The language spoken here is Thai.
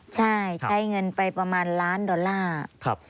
ใช่ใช้เงินไปประมาณล้านดอลลาร์